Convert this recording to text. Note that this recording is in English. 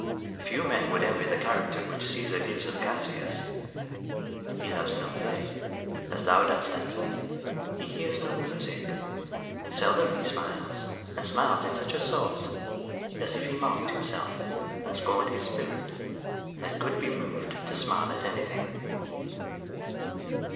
] Few men would envy the character which Caesar gives of Cassius: He loves no play, As thou do'st, Anthony: he hears no music: Seldom he smiles; and smiles in such a sort, As if he mock'd himself, and scorn'd his spirit That could be mov'd to smile at any thing.